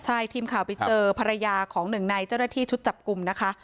ใช่ทีมข่าวไปเจอภรรยาของหนึ่งในเจ้าหน้าที่ชุดจับกลุ่มนะคะ